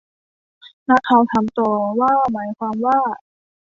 นักข่าวถามต่อว่าหมายความว่า